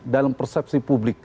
dalam persepsi publik